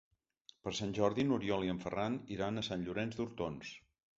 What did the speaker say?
Per Sant Jordi n'Oriol i en Ferran iran a Sant Llorenç d'Hortons.